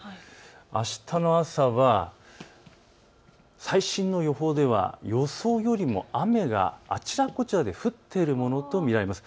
あしたの朝は最新の予報では予想よりも雨があちらこちらで降っているものと見られます。